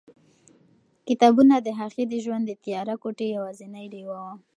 کتابونه د هغې د ژوند د تیاره کوټې یوازینۍ ډېوه وه.